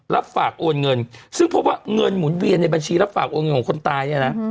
รับฝากโอนเงินซึ่งพบว่าเงินหมุนเวียนในบัญชีรับฝากโอนเงินของคนตายเนี่ยนะ